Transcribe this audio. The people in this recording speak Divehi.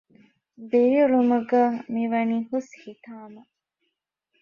ދިރިއުޅުމުގަ މިވަނީ ހުސްހިތާމަ